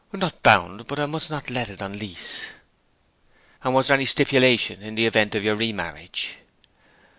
'Not bound to. But I must not let it on lease.' 'And was there any stipulation in the event of your re marriage?'